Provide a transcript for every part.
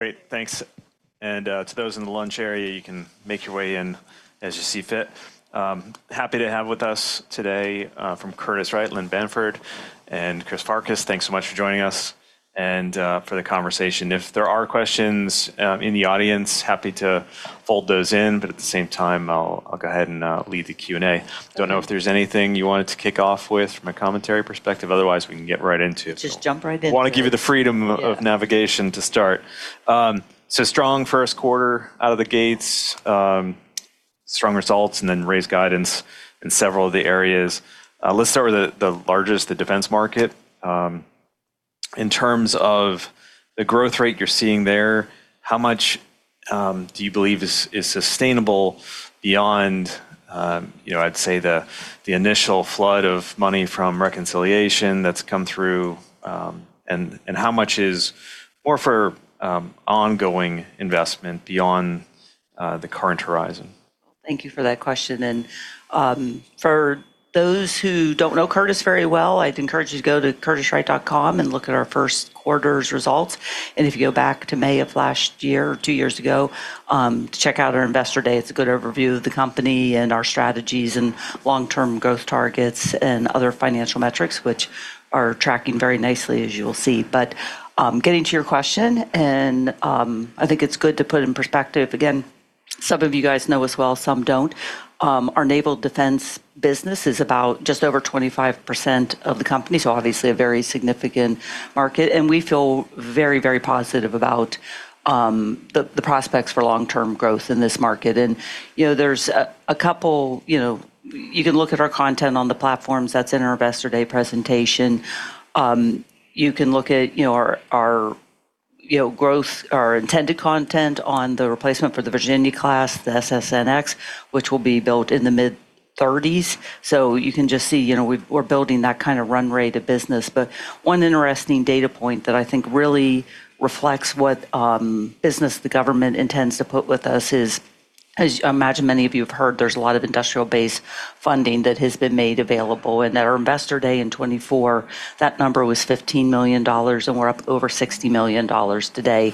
Great. Thanks. To those in the lunch area, you can make your way in as you see fit. Happy to have with us today from Curtiss-Wright, Lynn Bamford and Chris Farkas. Thanks so much for joining us and for the conversation. If there are questions in the audience, happy to fold those in, but at the same time, I'll go ahead and lead the Q&A. Don't know if there's anything you wanted to kick off with from a commentary perspective, otherwise we can get right into it. Just jump right in. Want to give you the freedom of navigation to start. Strong first quarter out of the gates, strong results, raised guidance in several of the areas. Let's start with the largest, the defense market. In terms of the growth rate you're seeing there, how much do you believe is sustainable beyond, I'd say, the initial flood of money from reconciliation that's come through, and how much is for ongoing investment beyond the current horizon? Thank you for that question. For those who don't know Curtiss very well, I'd encourage you to go to curtisswright.com and look at our first quarter's results. If you go back to May of last year or two years ago, to check out our Investor Day, it's a good overview of the company and our strategies and long-term growth targets and other financial metrics, which are tracking very nicely, as you will see. Getting to your question and I think it's good to put it in perspective again, some of you guys know as well, some don't. Our Naval defense business is about just over 25% of the company, so obviously a very significant market, and we feel very positive about the prospects for long-term growth in this market. You can look at our content on the platforms that's in our Investor Day presentation. You can look at our intended content on the replacement for the Virginia-class, the SSN(X), which will be built in the mid-30s. You can just see, we're building that kind of run rate of business. One interesting data point that I think really reflects what business the government intends to put with us is, as I imagine many of you have heard, there's a lot of industrial base funding that has been made available. At our Investor Day in 2024, that number was $15 million, and we're up over $60 million today.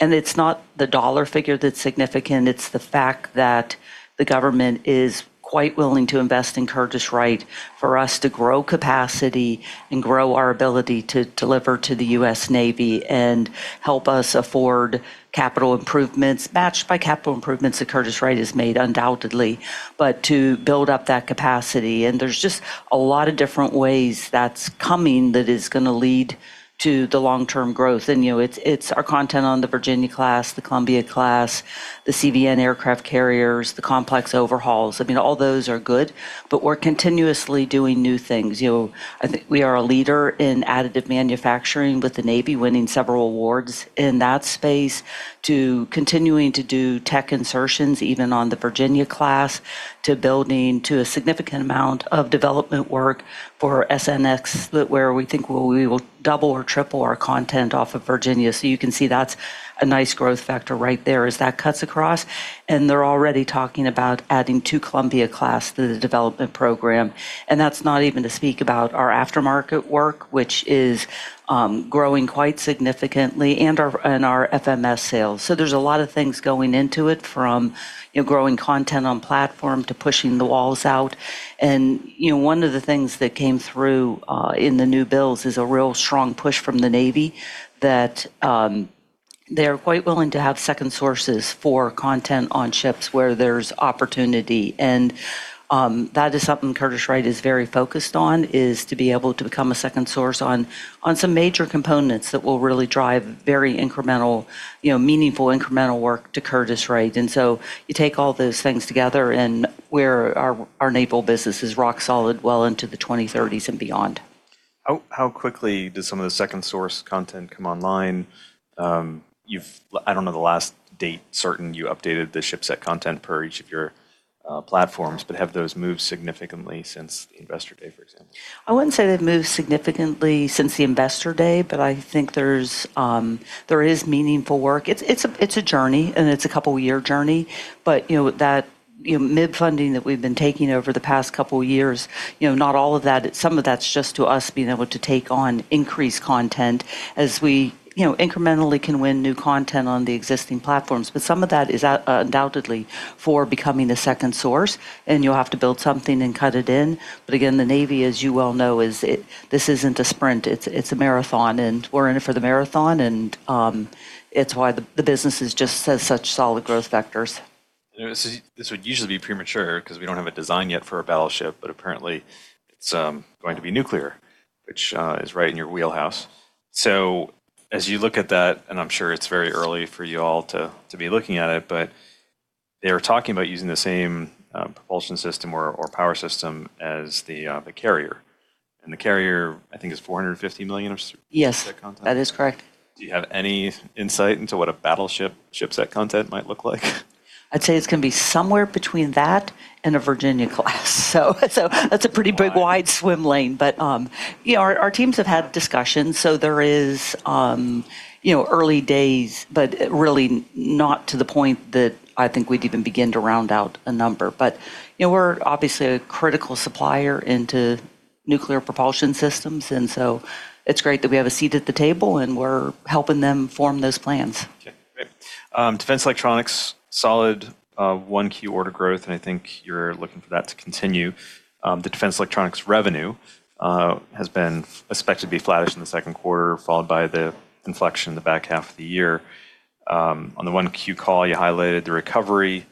It's not the dollar figure that's significant, it's the fact that the government is quite willing to invest in Curtiss-Wright for us to grow capacity and grow our ability to deliver to the U.S. Navy and help us afford capital improvements matched by capital improvements that Curtiss-Wright has made undoubtedly, but to build up that capacity. There's just a lot of different ways that's coming that is going to lead to the long-term growth. It's our content on the Virginia-class, the Columbia-class, the CVN aircraft carriers, the complex overhauls. All those are good, but we're continuously doing new things. I think we are a leader in additive manufacturing with the Navy winning several awards in that space to continuing to do tech insertions, even on the Virginia-class, to building to a significant amount of development work for SSN(X), where we think we will double or triple our content off of Virginia. You can see that's a nice growth factor right there as that cuts across. They're already talking about adding two Columbia-class to the development program. That's not even to speak about our aftermarket work, which is growing quite significantly and our FMS sales. There's a lot of things going into it from growing content on platform to pushing the walls out. One of the things that came through in the new builds is a real strong push from the Navy that they're quite willing to have second sources for content on ships where there's opportunity. That is something Curtiss-Wright is very focused on, is to be able to become a second source on some major components that will really drive very meaningful incremental work to Curtiss-Wright. You take all those things together and where our Naval business is rock solid well into the 2030s and beyond. How quickly does some of the second source content come online? I don't know the last date certain you updated the ship set content per each of your platforms, but have those moved significantly since Investor Day, for example? I wouldn't say they've moved significantly since the Investor Day, but I think there is meaningful work. It's a journey, and it's a couple year journey, but that mid-funding that we've been taking over the past couple years, not all of that. Some of that's just to us being able to take on increased content as we incrementally can win new content on the existing platforms. Some of that is undoubtedly for becoming the second source, and you'll have to build something and cut it in. Again, the Navy, as you well know, this isn't a sprint, it's a marathon, and we're in it for the marathon, and it's why the business has just such solid growth vectors. This would usually be premature because we don't have a design yet for a battleship, but apparently it's going to be nuclear, which is right in your wheelhouse. As you look at that, and I'm sure it's very early for you all to be looking at it, but they are talking about using the same propulsion system or power system as the carrier. The carrier, I think is $450 million of ship set content. Yes. That is correct. Do you have any insight into what a battleship ship set content might look like? I'd say it's going to be somewhere between that and a Virginia-class. That's a pretty big wide swim lane. Our teams have had discussions, there is early days, but really not to the point that I think we'd even begin to round out a number. We're obviously a critical supplier into nuclear propulsion systems. It's great that we have a seat at the table, and we're helping them form those plans. Okay, great. Defense Electronics, solid 1Q order growth, and I think you're looking for that to continue. The Defense Electronics revenue has been expected to be flattish in the second quarter, followed by the inflection in the back half of the year. On the 1Q call, you highlighted the recovery.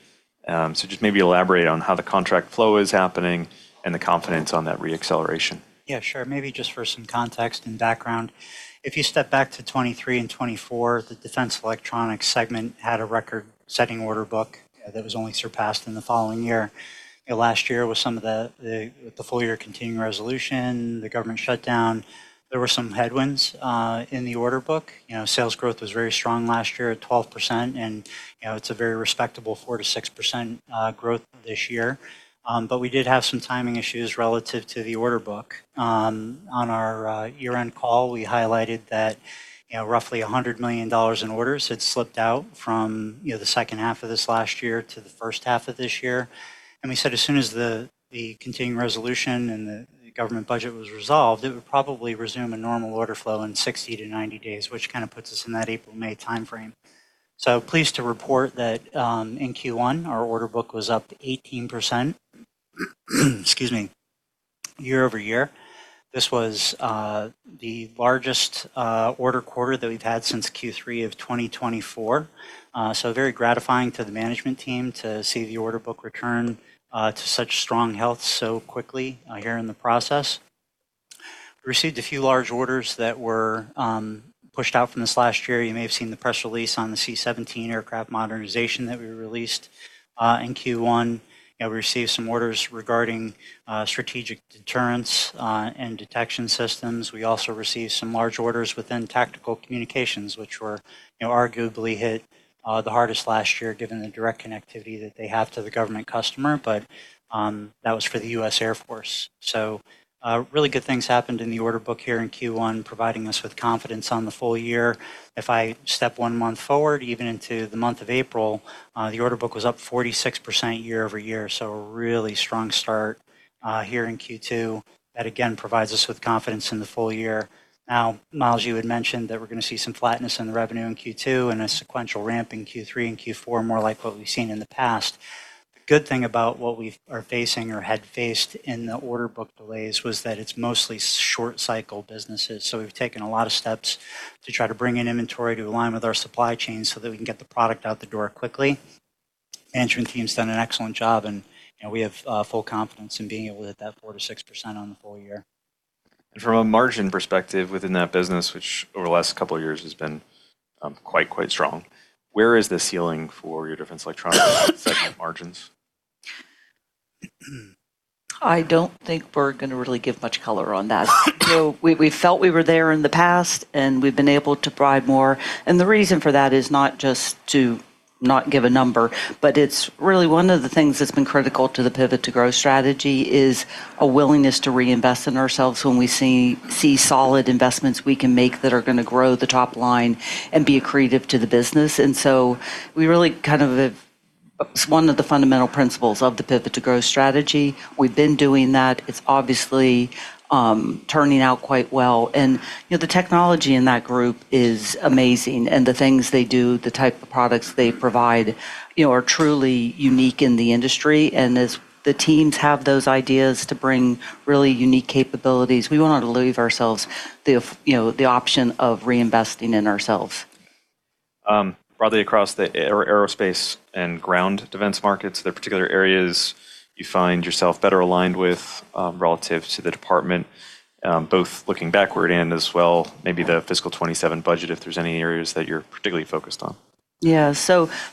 Just maybe elaborate on how the contract flow is happening and the confidence on that re-acceleration. Yeah, sure. Maybe just for some context and background, if you step back to 2023 and 2024, the Defense Electronics segment had a record-setting order book that was only surpassed in the following year. Last year with some of the full-year continuing resolution, the government shutdown, there were some headwinds in the order book. Sales growth was very strong last year at 12%, and it's a very respectable 4%-6% growth this year. We did have some timing issues relative to the order book. On our year-end call, we highlighted that roughly $100 million in orders had slipped out from the second half of this last year to the first half of this year. We said as soon as the continuing resolution and the government budget was resolved, it would probably resume a normal order flow in 60-90 days, which kind of puts us in that April-May timeframe. Pleased to report that in Q1, our order book was up 18%, excuse me, year-over-year. This was the largest order quarter that we've had since Q3 of 2024. Very gratifying to the management team to see the order book return to such strong health so quickly here in the process. We received a few large orders that were pushed out from this last year. You may have seen the press release on the C-17 aircraft modernization that we released in Q1. We received some orders regarding strategic deterrence and detection systems. We also received some large orders within tactical communications, which were arguably hit the hardest last year given the direct connectivity that they have to the government customer, but that was for the U.S. Air Force. Really good things happened in the order book here in Q1, providing us with confidence on the full-year. If I step one month forward, even into the month of April, the order book was up 46% year-over-year, so a really strong start here in Q2. That, again, provides us with confidence in the full-year. Now, Myles, you had mentioned that we're going to see some flatness in the revenue in Q2 and a sequential ramp in Q3 and Q4, more like what we've seen in the past. The good thing about what we are facing or had faced in the order book delays was that it's mostly short cycle businesses. We've taken a lot of steps to try to bring in inventory to align with our supply chain so that we can get the product out the door quickly. Management team's done an excellent job, and we have full confidence in being able to hit that 4%-6% on the full-year. From a margin perspective within that business, which over the last couple of years has been quite strong, where is the ceiling for your Defense Electronics segment margins? I don't think we're going to really give much color on that. We felt we were there in the past, and we've been able to provide more. The reason for that is not just to not give a number, but it's really one of the things that's been critical to the Pivot to Growth strategy is a willingness to reinvest in ourselves when we see solid investments we can make that are going to grow the top line and be accretive to the business. We really. It's one of the fundamental principles of the Pivot to Growth strategy. We've been doing that. It's obviously turning out quite well. The technology in that group is amazing, and the things they do, the type of products they provide are truly unique in the industry. As the teams have those ideas to bring really unique capabilities, we want to leave ourselves the option of reinvesting in ourselves. Broadly across the aerospace and ground defense markets, are there particular areas you find yourself better aligned with relative to the department, both looking backward and as well maybe the fiscal 2027 budget, if there's any areas that you're particularly focused on? Yeah. It's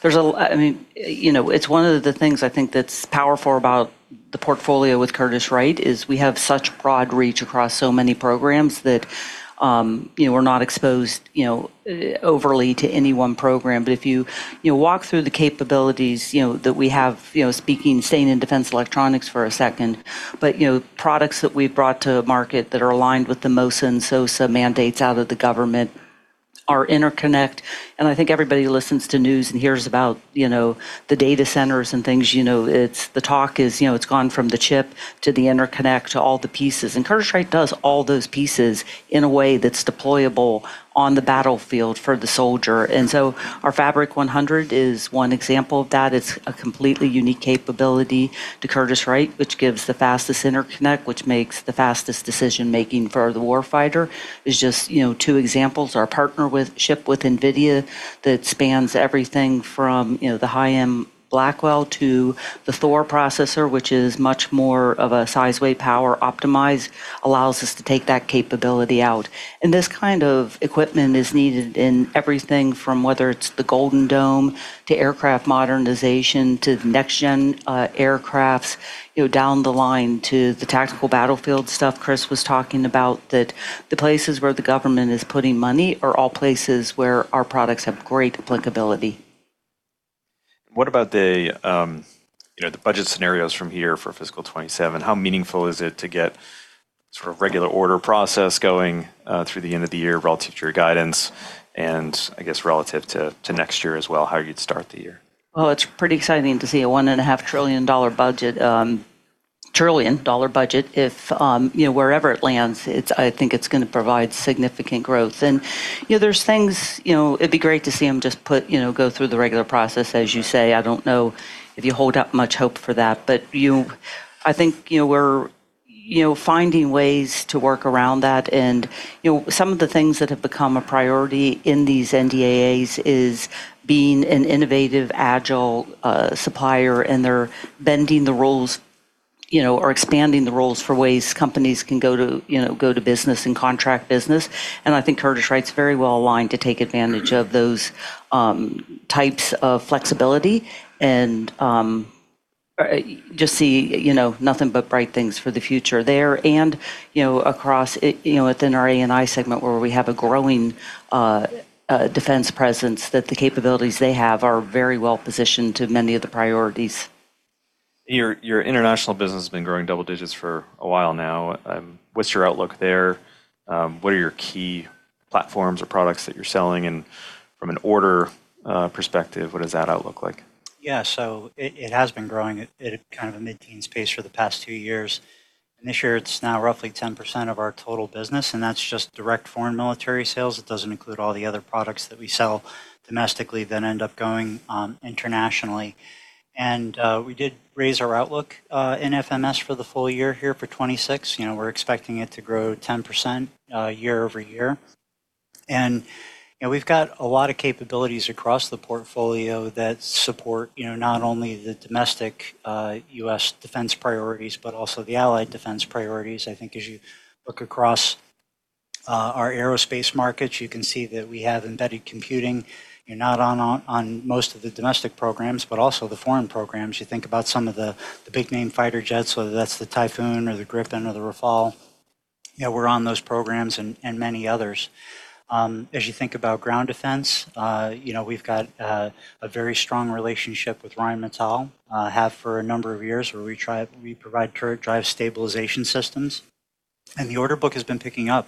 one of the things I think that's powerful about the portfolio with Curtiss-Wright is we have such broad reach across so many programs that we're not exposed overly to any one program. If you walk through the capabilities that we have, staying in Defense Electronics for one second, but products that we've brought to market that are aligned with the MOSA and SOSA mandates out of the government are interconnect. I think everybody listens to news and hears about the data centers and things. The talk is it's gone from the chip to the interconnect to all the pieces. Curtiss-Wright does all those pieces in a way that's deployable on the battlefield for the soldier. Our Fabric100 is one example of that. It's a completely unique capability to Curtiss-Wright, which gives the fastest interconnect, which makes the fastest decision-making for the war fighter. It's just two examples. Our partnership with NVIDIA that spans everything from the high-end Blackwell to the Thor processor, which is much more of a size, weight, power optimize, allows us to take that capability out. This kind of equipment is needed in everything from whether it's the Golden Dome to aircraft modernization to the next-gen aircrafts down the line to the tactical battlefield stuff Chris was talking about, that the places where the government is putting money are all places where our products have great applicability. What about the budget scenarios from here for fiscal 2027? How meaningful is it to get sort of regular order process going through the end of the year relative to your guidance and I guess relative to next year as well, how you'd start the year? Well, it's pretty exciting to see a $1.5 trillion budget. Trillion-dollar budget. Wherever it lands, I think it's going to provide significant growth. There's things, it'd be great to see them just go through the regular process, as you say. I don't know if you hold out much hope for that. I think we're finding ways to work around that, and some of the things that have become a priority in these NDAAs is being an innovative, agile supplier, and they're bending the rules or expanding the rules for ways companies can go to business and contract business. I think Curtiss-Wright's very well-aligned to take advantage of those types of flexibility, and just see nothing but bright things for the future there. Within our A&I segment, where we have a growing defense presence, that the capabilities they have are very well positioned to many of the priorities. Your international business has been growing double-digits for a while now. What's your outlook there? What are your key platforms or products that you're selling? From an order perspective, what does that outlook look like? It has been growing at a mid-teen pace for the past two years. This year, it's now roughly 10% of our total business, and that's just direct foreign military sales. It doesn't include all the other products that we sell domestically that end up going internationally. We did raise our outlook in FMS for the full-year here for 2026. We're expecting it to grow 10% year-over-year. We've got a lot of capabilities across the portfolio that support not only the domestic U.S. defense priorities, but also the allied defense priorities. I think as you look across our aerospace markets, you can see that we have embedded computing, not on most of the domestic programs, but also the foreign programs. You think about some of the big-name fighter jets, whether that's the Typhoon or the Gripen or the Rafale, we're on those programs and many others. As you think about ground defense, we've got a very strong relationship with Rheinmetall, have for a number of years, where we provide turret drive stabilization systems. The order book has been picking up.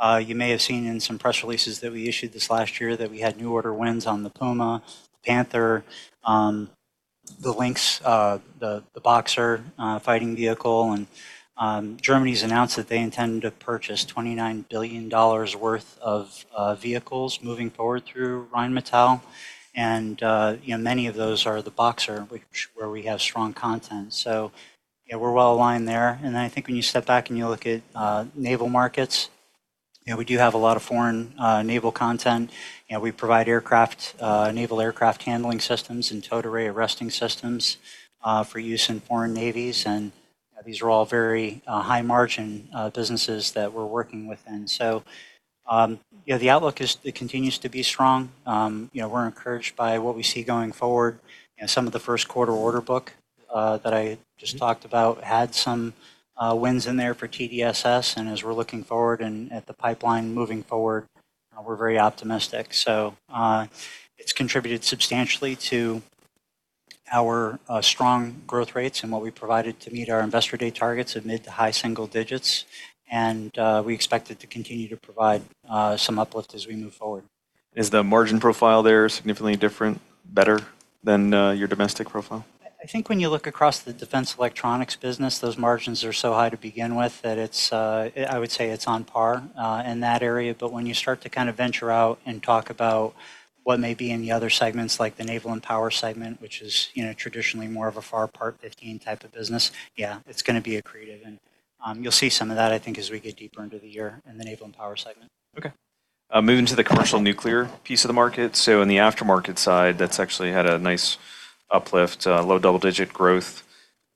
You may have seen in some press releases that we issued this last year that we had new order wins on the Puma, Panther, the Lynx, the Boxer fighting vehicle, and Germany's announced that they intend to purchase $29 billion worth of vehicles moving forward through Rheinmetall. Many of those are the Boxer, where we have strong content. Yeah, we're well-aligned there. I think when you step back and you look at naval markets, we do have a lot of foreign naval content. We provide naval aircraft handling systems and towed array handling systems for use in foreign navies, and these are all very high margin businesses that we're working within. The outlook continues to be strong. We're encouraged by what we see going forward. Some of the first quarter order book that I just talked about had some wins in there for TDSS. As we're looking forward and at the pipeline moving forward, we're very optimistic. It's contributed substantially to our strong growth rates and what we provided to meet our Investor Day targets of mid to high-single-digits. We expect it to continue to provide some uplift as we move forward. Is the margin profile there significantly different, better than your domestic profile? I think when you look across the Defense Electronics business, those margins are so high to begin with that I would say it's on par in that area. When you start to venture out and talk about what may be in the other segments, like the Naval & Power segment, which is traditionally more of a FAR Part 15 type of business, yeah, it's going to be accretive. You'll see some of that, I think, as we get deeper into the year in the Naval & Power segment. Okay. Moving to the commercial nuclear piece of the market. In the aftermarket side, that's actually had a nice uplift, low double-digit growth,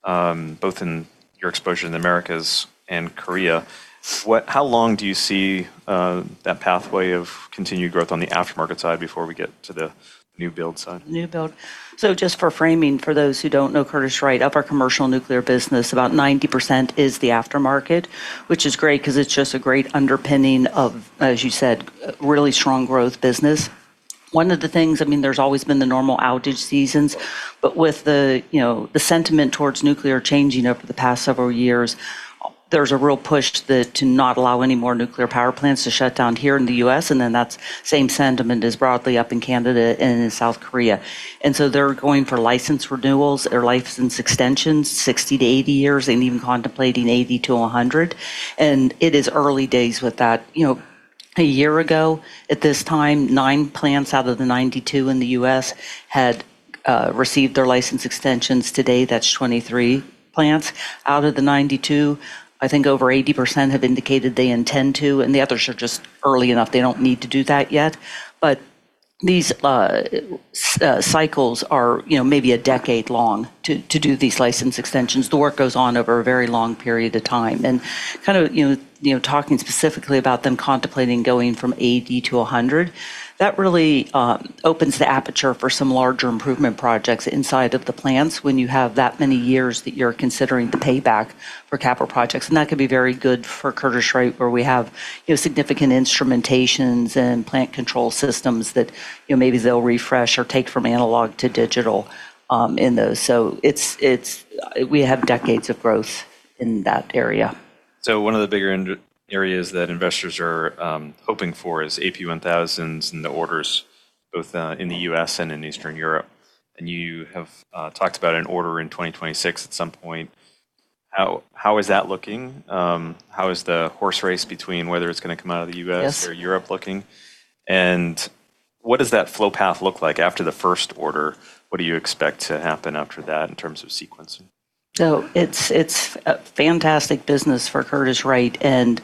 both in your exposure in the Americas and Korea. How long do you see that pathway of continued growth on the aftermarket side before we get to the new build side? New build. Just for framing, for those who don't know Curtiss-Wright, of our commercial nuclear business, about 90% is the aftermarket, which is great because it's just a great underpinning of, as you said, a really strong growth business. One of the things, there's always been the normal outage seasons, but with the sentiment towards nuclear changing over the past several years, there's a real push to not allow any more nuclear power plants to shut down here in the U.S., and then that same sentiment is broadly up in Canada and in South Korea. They're going for license renewals or license extensions, 60-80 years, and even contemplating 80-100. It is early days with that. One year ago, at this time, nine plants out of the 92 in the U.S. had received their license extensions. Today, that's 23 plants out of the 92. I think over 80% have indicated they intend to, and the others are just early enough, they don't need to do that yet. These cycles are maybe a decade long to do these license extensions. The work goes on over a very long period of time. Talking specifically about them contemplating going from 80-100, that really opens the aperture for some larger improvement projects inside of the plants when you have that many years that you're considering the payback for capital projects, and that could be very good for Curtiss-Wright, where we have significant instrumentations and plant control systems that maybe they'll refresh or take from analog to digital in those. We have decades of growth in that area. One of the bigger areas that investors are hoping for is AP1000s and the orders, both in the U.S. and in Eastern Europe. You have talked about an order in 2026 at some point. How is that looking? How is the horse race between whether it's going to come out of the U.S.- Yes. Europe looking? What does that flow path look like after the first order? What do you expect to happen after that in terms of sequencing? It's a fantastic business for Curtiss-Wright, and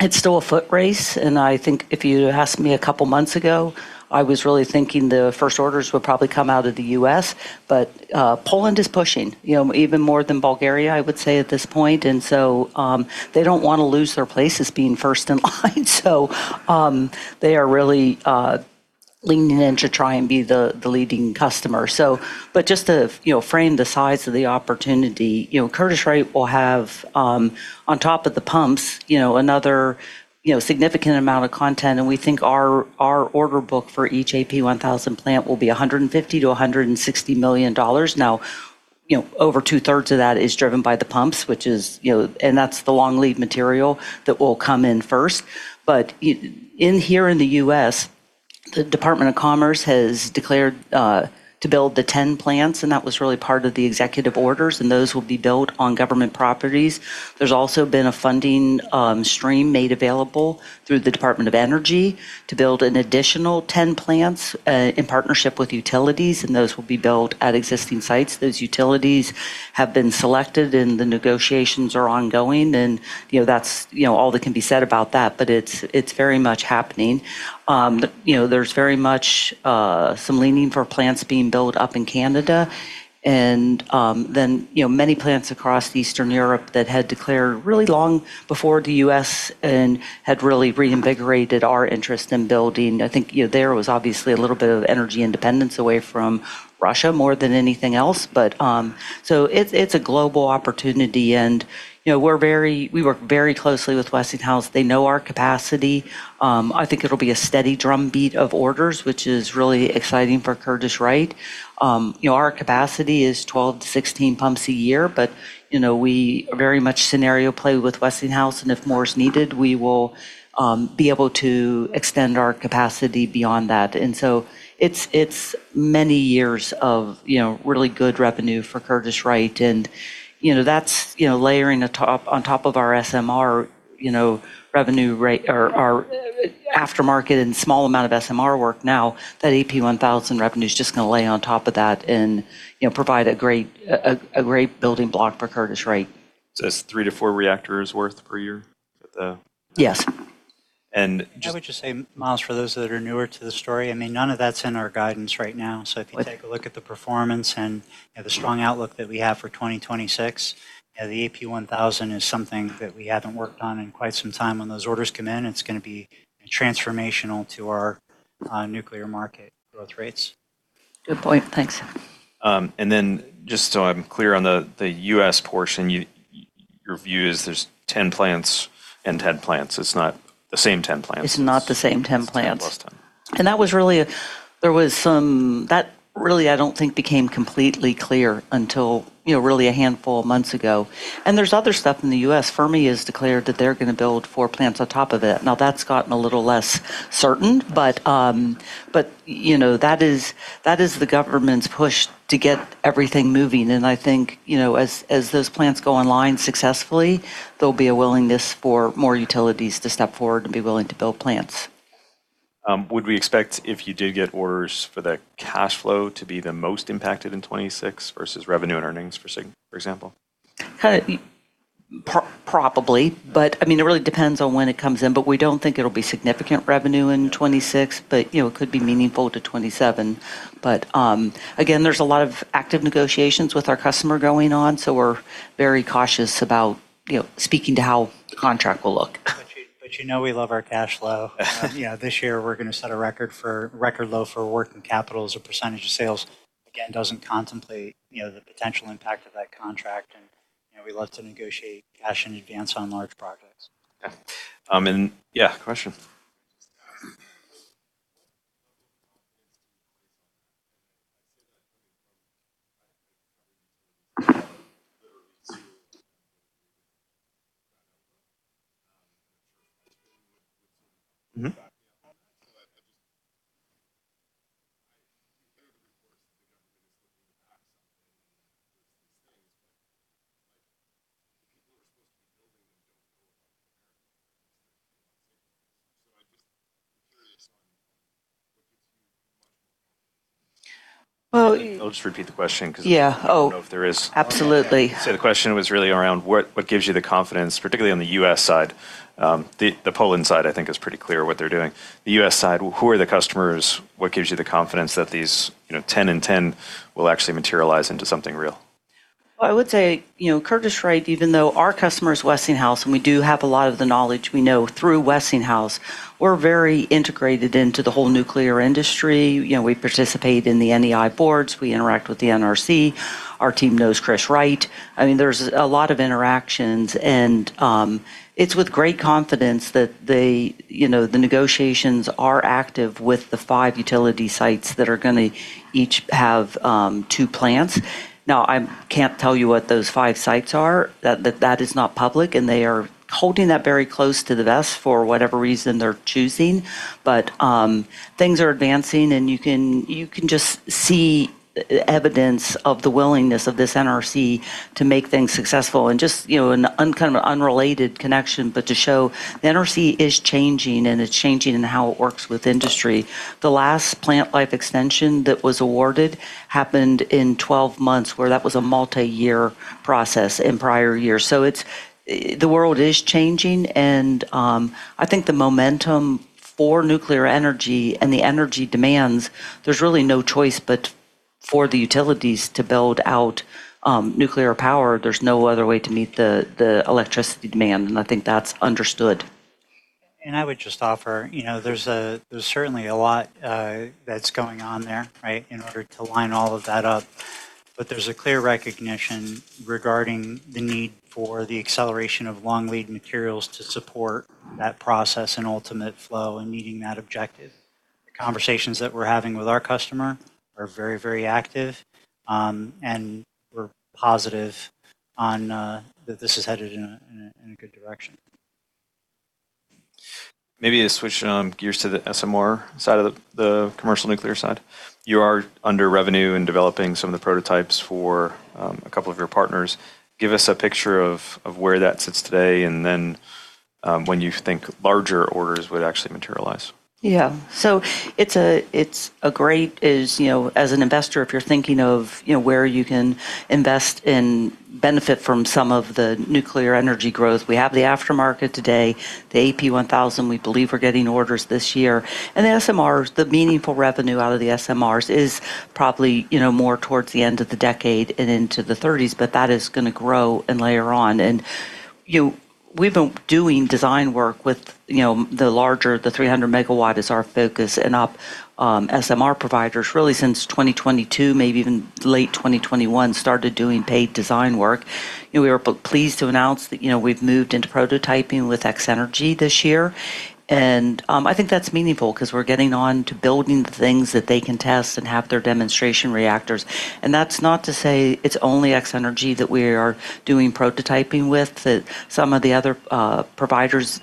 it's still a foot race. I think if you'd asked me a couple of months ago, I was really thinking the first orders would probably come out of the U.S., but Poland is pushing, even more than Bulgaria, I would say, at this point. They don't want to lose their place as being first in line so they are really leaning in to try and be the leading customer. Just to frame the size of the opportunity, Curtiss-Wright will have, on top of the pumps, another significant amount of content, and we think our order book for each AP1000 plant will be $150 million-$160 million. Over 2/3 of that is driven by the pumps, and that's the long-lead material that will come in first. Here in the U.S., the Department of Commerce has declared to build the 10 plants, and that was really part of the executive orders, and those will be built on government properties. There's also been a funding stream made available through the Department of Energy to build an additional 10 plants in partnership with utilities, and those will be built at existing sites. Those utilities have been selected and the negotiations are ongoing, and that's all that can be said about that, but it's very much happening. There's very much some leaning for plants being built up in Canada and then many plants across Eastern Europe that had declared really long before the U.S. and had really reinvigorated our interest in building. I think there was obviously a little bit of energy independence away from Russia more than anything else. It's a global opportunity, and we work very closely with Westinghouse. They know our capacity. I think it'll be a steady drumbeat of orders, which is really exciting for Curtiss-Wright. Our capacity is 12-16 pumps a year, but we very much scenario-play with Westinghouse, and if more is needed, we will be able to extend our capacity beyond that. It's many years of really good revenue for Curtiss-Wright and that's layering on top of our SMR revenue rate or our aftermarket and small amount of SMR work now, that AP1000 revenue's just going to lay on top of that and provide a great building block for Curtiss-Wright. That's three to four reactors worth per year? Yes. And just- I would just say, Myles, for those that are newer to the story, none of that's in our guidance right now. If you take a look at the performance and the strong outlook that we have for 2026, the AP1000 is something that we haven't worked on in quite some time. When those orders come in, it's going to be transformational to our nuclear market growth rates. Good point. Thanks. Just so I'm clear on the U.S. portion, your view is there's 10 plants and 10 plants. It's not the same 10 plants. It's not the same 10 plants. It's 10+10. That really, I don't think became completely clear until really a handful of months ago. There's other stuff in the U.S. Fermi has declared that they're going to build four plants on top of it. That's gotten a little less certain, but that is the government's push to get everything moving. I think as those plants go online successfully, there'll be a willingness for more utilities to step forward and be willing to build plants. Would we expect if you did get orders for the cash flow to be the most impacted in 2026 versus revenue and earnings, for example? Probably. It really depends on when it comes in, but we don't think it'll be significant revenue in 2026, but it could be meaningful to 2027. Again, there's a lot of active negotiations with our customer going on, so we're very cautious about speaking to how the contract will look. You know we love our cash flow. This year, we're going to set a record low for working capital as a percentage of sales. Again, doesn't contemplate the potential impact of that contract, and we love to negotiate cash in advance on large projects. Okay. Yeah, question. I'll just repeat the question because- Yeah. Oh. I don't know if there is- Absolutely. The question was really around what gives you the confidence, particularly on the U.S. side. The Poland side, I think is pretty clear what they're doing. The U.S. side, who are the customers? What gives you the confidence that these 10 and 10 will actually materialize into something real? I would say, Curtiss-Wright, even though our customer is Westinghouse, and we do have a lot of the knowledge we know through Westinghouse, we're very integrated into the whole nuclear industry. We participate in the NEI boards. We interact with the NRC. Our team knows Curtiss-Wright. There's a lot of interactions. It's with great confidence that the negotiations are active with the five utility sites that are going to each have two plants. Now, I can't tell you what those five sites are. That is not public. They are holding that very close to the vest for whatever reason they're choosing. Things are advancing. You can just see evidence of the willingness of this NRC to make things successful. Just, an unrelated connection, to show the NRC is changing. It's changing in how it works with industry. The last plant life extension that was awarded happened in 12 months, where that was a multi-year process in prior years. The world is changing, and I think the momentum for nuclear energy and the energy demands, there's really no choice but for the utilities to build out nuclear power. There's no other way to meet the electricity demand, and I think that's understood. I would just offer, there's certainly a lot that's going on there, right, in order to line all of that up. There's a clear recognition regarding the need for the acceleration of long-lead materials to support that process and ultimate flow in meeting that objective. The conversations that we're having with our customer are very, very active, and we're positive on that this is headed in a good direction. Maybe to switch gears to the SMR side of the commercial nuclear side. You are under revenue and developing some of the prototypes for a couple of your partners. Give us a picture of where that sits today and then when you think larger orders would actually materialize? Yeah. It's a great, you know, as an investor, if you're thinking of where you can invest and benefit from some of the nuclear energy growth, we have the aftermarket today. The AP1000, we believe we're getting orders this year. The SMRs, the meaningful revenue out of the SMRs is probably more towards the end of the decade and into the 2030s, that is going to grow and layer on. We've been doing design work with the larger, the 300 MW is our focus, and up SMR providers really since 2022, maybe even late 2021, started doing paid design work. We were pleased to announce that we've moved into prototyping with X-energy this year, I think that's meaningful because we're getting on to building the things that they can test and have their demonstration reactors. That's not to say it's only X-energy that we are doing prototyping with. Some of the other providers,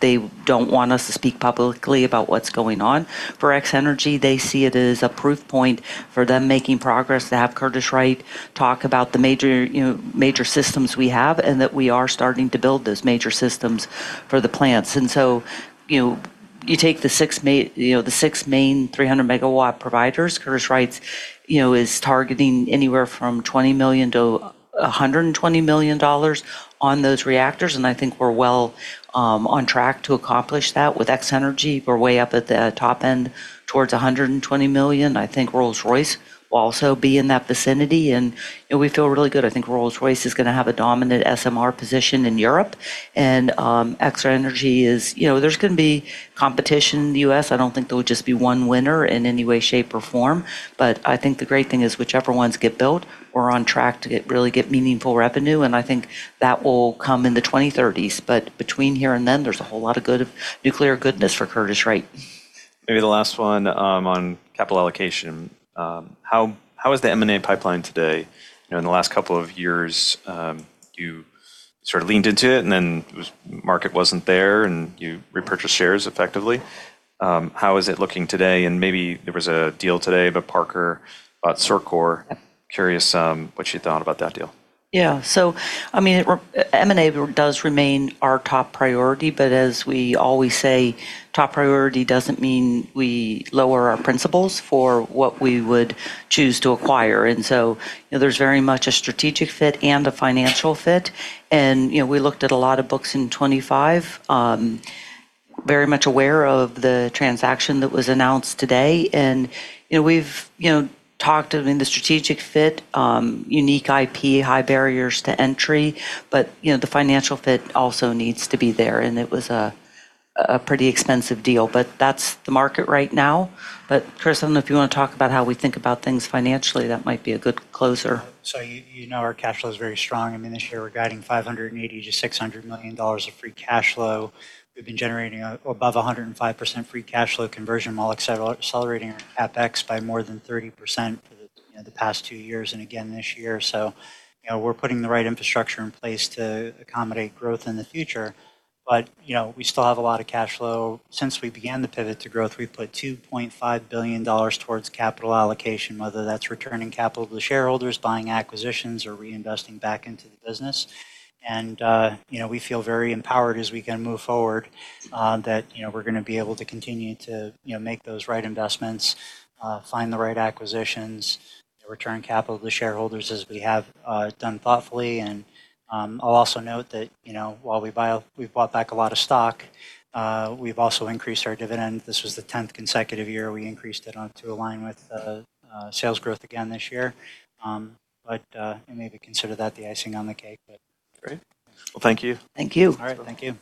they don't want us to speak publicly about what's going on. For X-energy, they see it as a proof point for them making progress. To have Curtiss-Wright talk about the major systems we have and that we are starting to build those major systems for the plants. You take the six main 300 MW providers. Curtiss-Wright is targeting anywhere from $20 million-$120 million on those reactors, and I think we're well on track to accomplish that. With X-energy, we're way up at the top end towards $120 million. I think Rolls-Royce will also be in that vicinity, and we feel really good. I think Rolls-Royce is going to have a dominant SMR position in Europe. X-energy, there's going to be competition in the U.S. I don't think there will just be one winner in any way, shape or form. I think the great thing is whichever ones get built, we're on track to really get meaningful revenue, and I think that will come in the 2030s. Between here and then, there's a whole lot of nuclear goodness for Curtiss-Wright. Maybe the last one on capital allocation. How is the M&A pipeline today? In the last couple of years, you sort of leaned into it, and then market wasn't there, and you repurchased shares effectively. How is it looking today? Maybe there was a deal today, but Parker bought CIRCOR. Curious what you thought about that deal. Yeah. M&A does remain our top priority, but as we always say, top priority doesn't mean we lower our principles for what we would choose to acquire. There's very much a strategic fit and a financial fit. We looked at a lot of books in 2025. Very much aware of the transaction that was announced today, and we've talked in the strategic fit, unique IP, high barriers to entry. The financial fit also needs to be there, and it was a pretty expensive deal, but that's the market right now. Chris, I don't know if you want to talk about how we think about things financially. That might be a good closer. You know our cash flow is very strong. This year, we're guiding $580 million-$600 million of free cash flow. We've been generating above 105% free cash flow conversion while accelerating our CapEx by more than 30% for the past two years and again this year. We're putting the right infrastructure in place to accommodate growth in the future. We still have a lot of cash flow. Since we began the Pivot to Growth, we've put $2.5 billion towards capital allocation, whether that's returning capital to shareholders, buying acquisitions or reinvesting back into the business. We feel very empowered as we move forward that we're going to be able to continue to make those right investments, find the right acquisitions, return capital to shareholders as we have done thoughtfully. I'll also note that while we've bought back a lot of stock, we've also increased our dividend. This was the tenth consecutive year we increased it to align with sales growth again this year. Maybe consider that the icing on the cake. Great. Well, thank you. Thank you. All right. Thank you.